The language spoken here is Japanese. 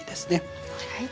はい。